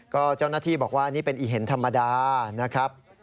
ก็เจ้าหน้าที่บอกว่านี่เป็นอีเห็นธรรมดานะครับ